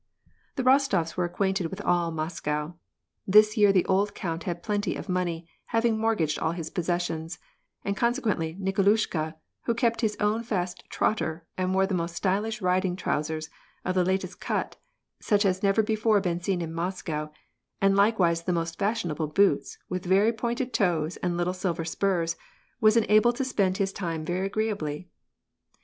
The Rostofs were acquainted with all Moscow. This year the old count had plenty of money, having mortgaged all his possessions, and consequently Nikolushka, who kept his own fast trotter, and wore the most stylish riding trousers, of the latest cut, such as had never before been seen in Moscow ; and likewise the most fashionable boots, with very pointed toes and little silver spurs, was enabled to spend his time very agreeably.